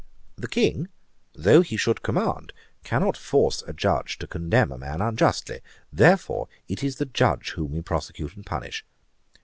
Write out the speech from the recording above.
The King, though he should command, cannot force a Judge to condemn a man unjustly; therefore it is the Judge whom we prosecute and punish.